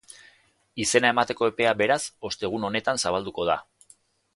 Izena emateko epea, beraz, ostegun honetan zabalduko da.